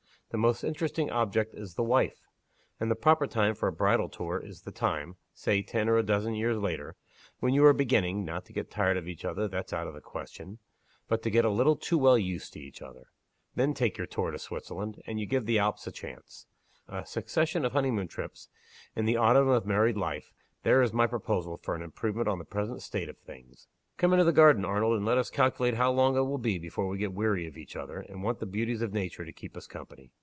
The most interesting object is the wife. And the proper time for a bridal tour is the time say ten or a dozen years later when you are beginning (not to get tired of each other, that's out of the question) but to get a little too well used to each other. Then take your tour to Switzerland and you give the Alps a chance. A succession of honey moon trips, in the autumn of married life there is my proposal for an improvement on the present state of things! Come into the garden, Arnold; and let us calculate how long it will be before we get weary of each other, and want the beauties of nature to keep us company."